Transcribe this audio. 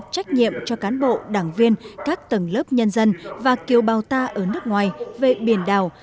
trách nhiệm cho cán bộ đảng viên các tầng lớp nhân dân và kiều bào ta ở nước ngoài về biển đảo